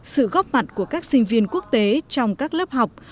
sự góp mặt của các sinh viên quốc tế trong các lớp học